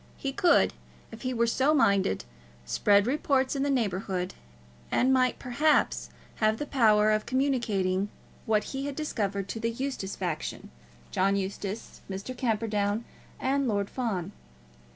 He could, if he were so minded, spread reports in the neighbourhood, and might, perhaps, have the power of communicating what he had discovered to the Eustace faction, John Eustace, Mr. Camperdown, and Lord Fawn.